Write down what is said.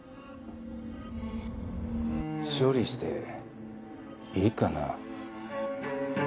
処理していいかな？